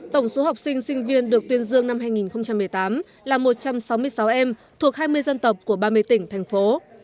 tổng số học sinh sinh viên được tuyên dương năm hai nghìn một mươi tám là một trăm sáu mươi sáu em thuộc hai mươi dân tộc của ba mươi tỉnh thành phố